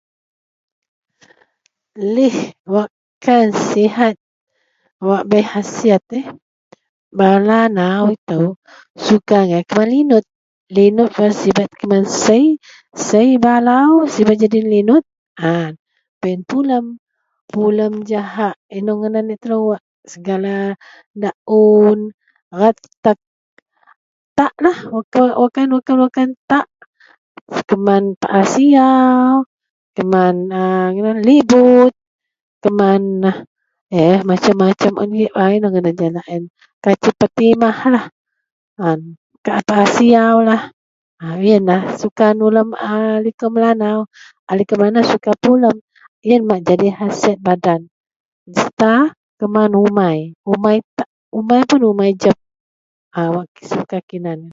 Lih wak kan sihat wak berkhasiat. Melanau itou suka angai keman linut, linut wak sibet kuman sei. Sei balau sibet nyadin linut. An baih yen pulem, pulem jahak inou laei ngadan laei telou segala daun, retek, tak lah, wakkan, wakkan tak, keman paa siyau, keman inou ngadan libut, keman eh macem-macem un, wak inou agei ngadan en kacip patimah, paa siyaulah a wak yenlah suka nulem a likou Melanau. A likou Melanau suka pulem yen jadi khasiat badan tapak kuman umai jeb, a wak suka kinan.